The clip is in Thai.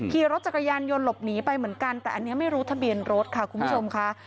ขี่รถจักรยานยนต์หลบหนีไปเหมือนกันแต่อันนี้ไม่รู้ทะเบียนรถค่ะคุณผู้ชมค่ะ